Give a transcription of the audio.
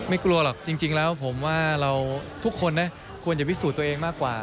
กลัวหรอกจริงแล้วผมว่าเราทุกคนนะควรจะพิสูจน์ตัวเองมากกว่า